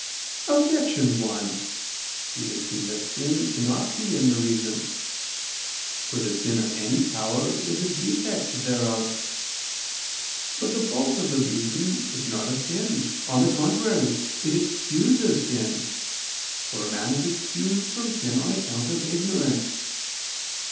Objection 1: It would seem that sin cannot be in the reason. For the sin of any power is a defect thereof. But the fault of the reason is not a sin, on the contrary, it excuses sin: for a man is excused from sin on account of ignorance.